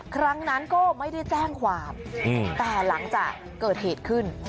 ครั้งนั้นก็ไม่ได้แจ้งความแต่หลังจากเกิดเหตุขึ้น